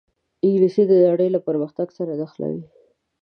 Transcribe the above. انګلیسي د نړۍ له پرمختګ سره نښلوي